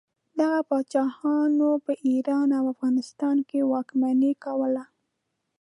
دغه پاچاهانو په ایران او افغانستان واکمني کوله.